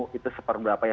di tpu itu seperberapa ya